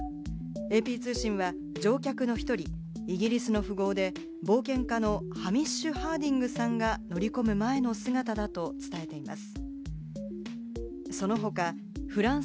ＡＰ通信は乗客の１人、イギリスの富豪で冒険家のハミッシュ・ハーディングさんが乗り込む前の姿だと伝えています。